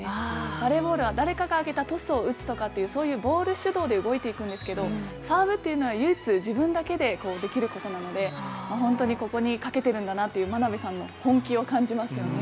バレーボールは誰かが上げたトスを打つとかという、そういうボール主導で動いていくんですけれども、サーブというのは唯一、自分だけでできることなので、本当にここにかけているんだなという、眞鍋さんの本気を感じますよね。